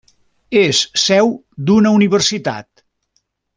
És seu d'una universitat.